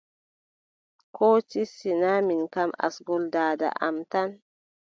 Koo tis, sinaa min kam asngol daada am tan.